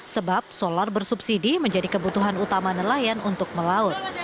sebab solar bersubsidi menjadi kebutuhan utama nelayan untuk melaut